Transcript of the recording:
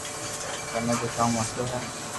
ڪئي ٺا ڪاو مسلو ھي